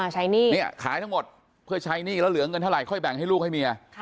ใช้หนี้เพื่อใช้หนี้แล้วเหลือเงินเท่าไหร่ค่อยแบ่งให้ลูกให้เมีย